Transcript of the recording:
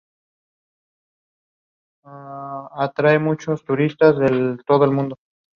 Slovakia entered four swimmers.